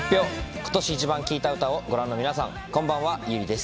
今年イチバン聴いた歌をご覧の皆さん、こんばんは、優里です。